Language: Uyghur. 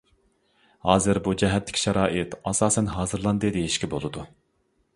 ھازىر بۇ جەھەتتىكى شارائىت ئاساسەن ھازىرلاندى دېيىشكە بولىدۇ.